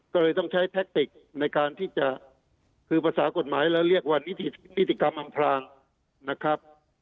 ก็เลยต้องใช้แท็กติกในการที่จะคือภาษากฎหมายแล้วเรียกว่านิติกรรมอำพลางนะครับ